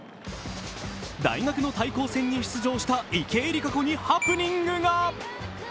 大学の対抗戦に出場した池江璃花子にハプニングが。